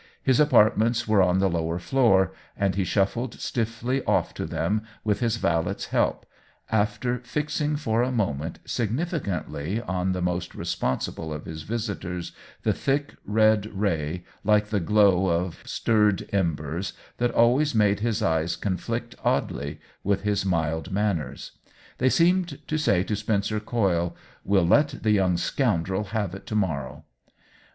His apartments were on the lower floor, and he shuffled stiffly off to them with his valet's help, after fixing for a moment significantly on the most responsible of his visitors the thick red ray, like the glow of stirred em bers, that always made his eyes conflict oddly with his mild manners. They seemed to say to Spencer Coyle, "We'll let the young scoundrel have it to morrow